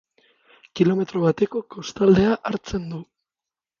Kilometro bateko kostaldea hartzen du.